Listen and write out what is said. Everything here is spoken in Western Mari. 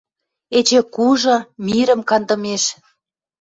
Эче кужы, мирӹм кандымеш.